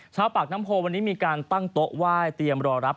ชาวปากน้ำโพวันนี้มีการตั้งโต๊ะไหว้เตรียมรอรับ